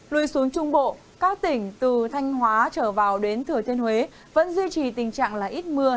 lùi xuống trung bộ các tỉnh từ thanh hóa trở vào đến thừa thiên huế vẫn duy trì tình trạng là ít mưa